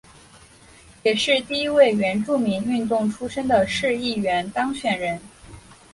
也是第一位原住民运动出身的市议员当选人。